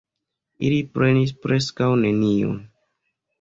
Ili prenis preskaŭ nenion.